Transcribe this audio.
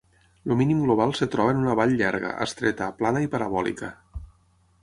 El mínim global es troba en una vall llarga, estreta, plana i parabòlica.